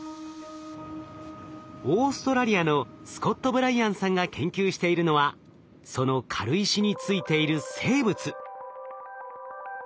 オーストラリアのスコット・ブライアンさんが研究しているのはその軽石についている生物。